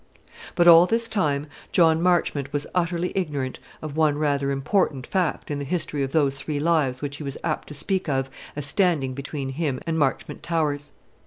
But all this time John Marchmont was utterly ignorant of one rather important fact in the history of those three lives which he was apt to speak of as standing between him and Marchmont Towers.